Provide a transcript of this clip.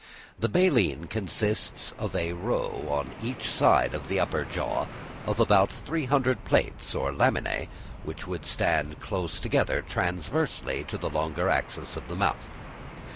The baleen consists of a row, on each side of the upper jaw, of about 300 plates or laminæ, which stand close together transversely to the longer axis of the mouth.